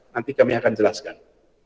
nanti kami akan jelaskan